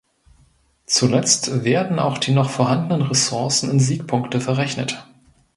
Zuletzt werden auch die noch vorhandenen Ressourcen in Siegpunkte verrechnet.